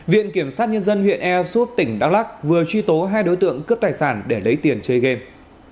viện kiểm sát nhân dân huyện ea súp tỉnh đắk lắc vừa truy tố hai đối tượng cướp tài sản để lấy tiền chơi game